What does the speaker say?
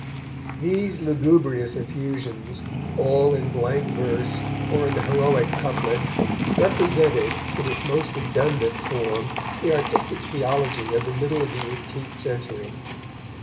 These lugubrious effusions, all in blank verse or in the heroic couplet, represented, in its most redundant form, the artistic theology of the middle of the eighteenth century.